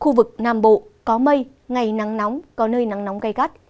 khu vực nam bộ có mây ngày nắng nóng có nơi nắng nóng gai gắt